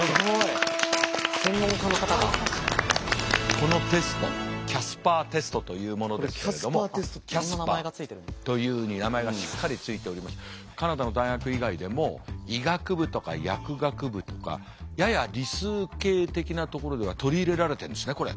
このテストキャスパーテストというものですけれどもキャスパーというふうに名前がしっかり付いておりましてカナダの大学以外でも医学部とか薬学部とかやや理数系的なところではとりいれられてるんですねこれ。